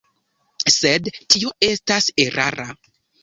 Sed tio estas erara.